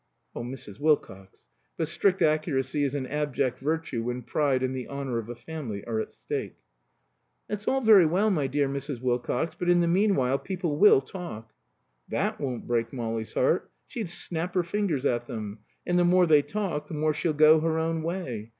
(Oh, Mrs. Wilcox! But strict accuracy is an abject virtue when pride and the honor of a family are at stake.) "That's all very well, my dear Mrs. Wilcox, but in the meanwhile people will talk." "That won't break Molly's heart. She'd snap her fingers at them. And the more they talk, the more she'll go her own way.